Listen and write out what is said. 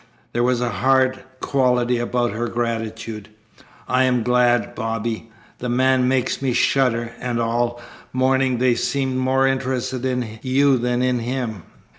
There was a hard quality about her gratitude. "I am glad, Bobby. The man makes me shudder, and all morning they seemed more interested in you than in him.